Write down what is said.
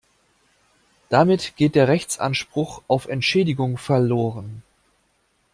Damit geht der Rechtsanspruch auf Entschädigung verloren.